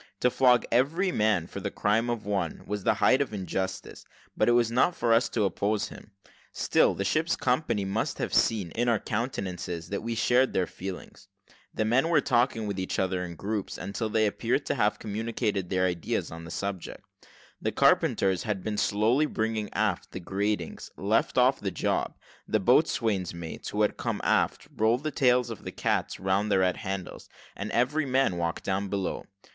To flog every man for the crime of one, was the height of injustice, but it was not for us to oppose him; still the ship's company must have seen, in our countenances, that we shared their feelings. The men were talking with each other in groups, until they all appeared to have communicated their ideas on the subject. The carpenters, had been slowly bringing aft the gratings, left off the job; the boatswain's mates, who had come aft, rolled the tails of their cats round the red handles; and every man walked down below.